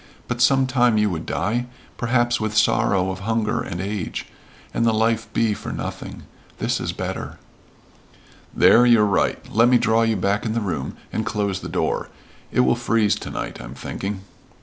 But some time you would die perhaps with sorrow of hunger and age, and the life be for nothing. This is better." "There you're right. Let me draw you back in the room and close the door. It will freeze to night, I'm thinking."